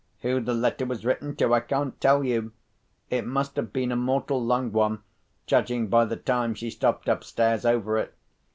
Who the letter was written to I can't tell you: it must have been a mortal long one, judging by the time she stopped upstairs over it.